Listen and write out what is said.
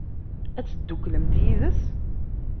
Ad tedduklemt yid-s?